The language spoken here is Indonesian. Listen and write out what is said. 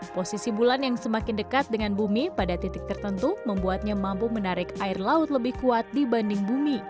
posisi bulan yang semakin dekat dengan bumi pada titik tertentu membuatnya mampu menarik air laut lebih kuat dibanding bumi